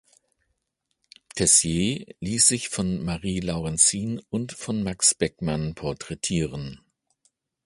Tessier ließ sich von Marie Laurencin und von Max Beckmann porträtieren.